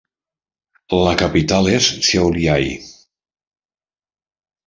La capital és Šiauliai.